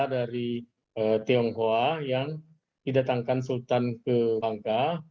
dari tionghoa yang didatangkan sultan ke bangka